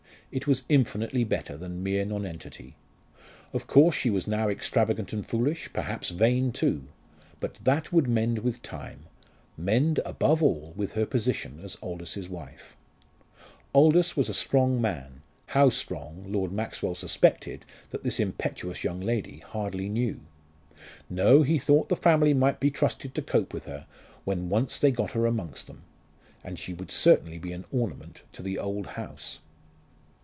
It was infinitely better than mere nonentity. Of course, she was now extravagant and foolish, perhaps vain too. But that would mend with time mend, above all, with her position as Aldous's wife. Aldous was a strong man how strong, Lord Maxwell suspected that this impetuous young lady hardly knew. No, he thought the family might be trusted to cope with her when once they got her among them. And she would certainly be an ornament to the old house.